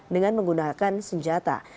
dengan menggunakan senjata